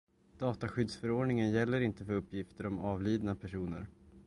Dataskyddsförordningen gäller inte för uppgifter om avlidna personer.